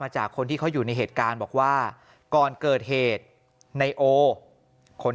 จากคนที่เขาอยู่ในเหตุการณ์บอกว่าก่อนเกิดเหตุในโอคน